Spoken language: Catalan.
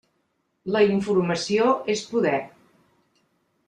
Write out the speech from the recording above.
La informació és poder.